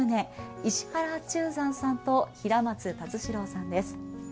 石原中山さんと平松龍四郎さんです。